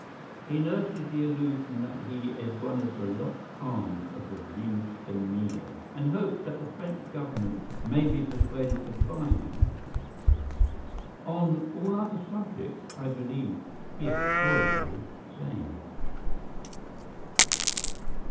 He nurses the illusion that he is one of the lost arms of the Venus de Milo, and hopes that the French Government may be persuaded to buy him. On all other subjects I believe he is tolerably sane."